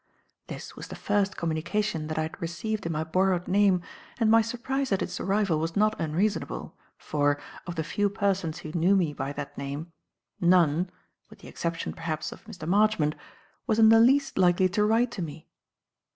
This was the first communication that I had received in my borrowed name, and my surprise at its arrival was not unreasonable, for, of the few persons who knew me by that name, none with the exception, perhaps, of Mr. Marchmont was in the least likely to write to me.